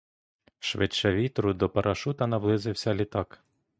Швидше вітру до парашута наблизився літак.